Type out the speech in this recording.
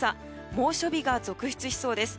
猛暑日が続出しそうです。